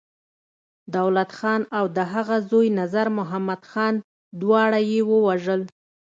دولت خان او د هغه زوی نظرمحمد خان، دواړه يې ووژل.